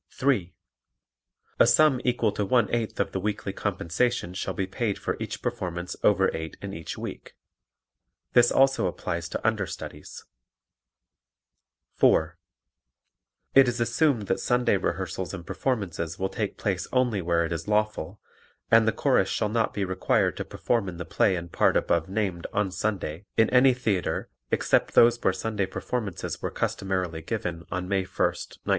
(3) A sum equal to one eighth of the weekly compensation shall be paid for each performance over eight in each week. (This also applies to understudies.) (4) It is assumed that Sunday rehearsals and performances will take place only where it is lawful, and the Chorus shall not be required to perform in the play and part above named on Sunday in any theatre except those where Sunday performances were customarily given on May 1st, 1924.